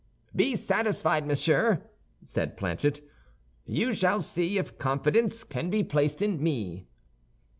"Be satisfied, monsieur," said Planchet, "you shall see if confidence can be placed in me."